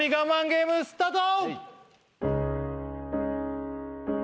ゲームスタート